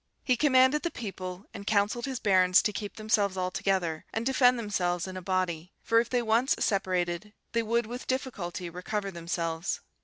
He commanded the people, and counselled his barons to keep themselves altogether, and defend themselves in a body; for if they once separated, they would with difficulty recover themselves.